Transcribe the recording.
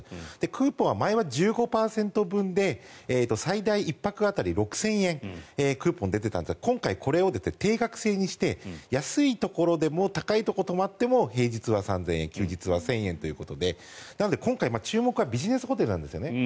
クーポンは前は１５％分で最大１泊当たり６０００円のクーポンが出ていたんですが今回はこれを定額制にして安いところでも高いところに泊まっても平日は３０００円休日は１０００円ということで今回、注目はビジネスホテルなんです。